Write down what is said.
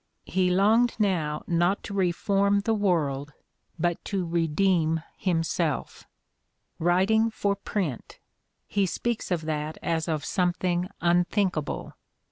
He longed now not to reform the world but to redeem himself. "Writing for print!" — ^he speaks of that as of something unthinkable.